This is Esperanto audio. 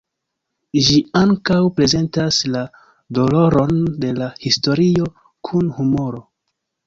Ĝi ankaŭ prezentas la doloron de la historio kun humoro.